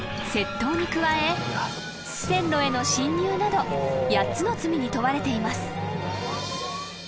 窃盗に加え線路への侵入など８つの罪に問われています］